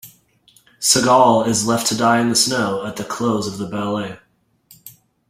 Cigale is left to die in the snow at the close of the ballet.